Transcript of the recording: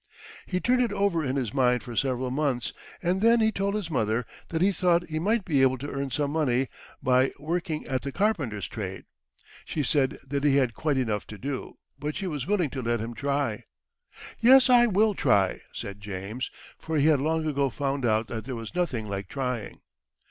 He turned it over in his mind for several months, and then he told his mother that he thought he might be able to earn some money by working at the carpenter's trade. She said that he had quite enough to do, but she was willing to let him try. "Yes, I will try," said James, for he had long ago found out that there was nothing like trying.